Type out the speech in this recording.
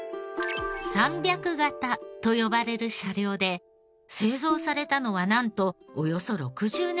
３００形と呼ばれる車両で製造されたのはなんとおよそ６０年前。